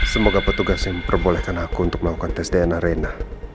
semoga petugas yang memperbolehkan aku untuk melakukan tes dna rena